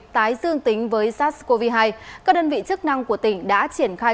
tái dương tính với sars cov hai các đơn vị chức năng của tỉnh đã triển khai